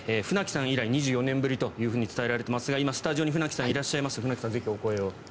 船木さん以来２４年ぶりと伝えられていますが今、スタジオに船木さんいらっしゃいます。